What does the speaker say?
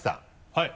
はい。